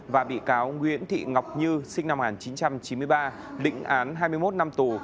và bị cáo nguyễn thị ngọc như sinh năm một nghìn chín trăm chín mươi ba lĩnh án hai mươi một năm tù